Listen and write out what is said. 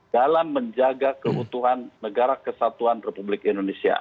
dalam menjaga keutuhan negara kesatuan republik indonesia